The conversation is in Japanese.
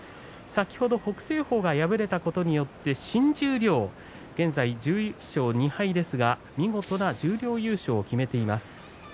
先ほど北青鵬が敗れたことによって新十両、現在、１１勝２敗ですが見事な十両優勝を決めています。